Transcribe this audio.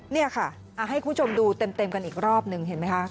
นี่ค่ะให้คุณผู้ชมดูเต็มกันอีกรอบหนึ่งเห็นไหมคะ